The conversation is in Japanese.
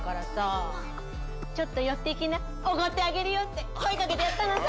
ちょっと寄っていきなおごってあげるよって声かけてやったのさ。